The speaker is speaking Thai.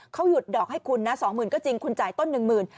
เขาหยุดดอกให้คุณนะ๒๐๐๐ก็จริงคุณจ่ายต้นหนึ่งหมื่น